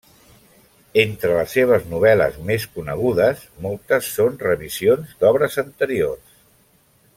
Entre les seves novel·les més conegudes, moltes són revisions d'obres anteriors.